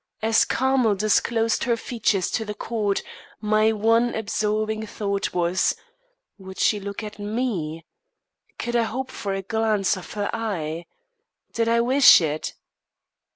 As Carmel disclosed her features to the court, my one absorbing thought was: Would she look at me? Could I hope for a glance of her eye? Did I wish it?